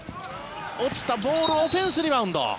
落ちたボールオフェンスリバウンド。